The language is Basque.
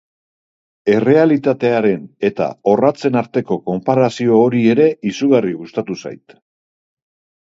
Errealitatearen eta orratzen arteko konparazio hori ere izugarri gustatu zait.